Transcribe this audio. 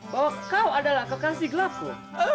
bahwa kau adalah kekasih gelapu